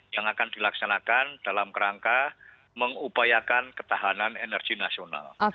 yang akan dilaksanakan dalam kerangka mengupayakan ketahanan energi nasional